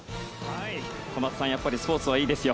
小松さん、やっぱりスポーツはいいですよ。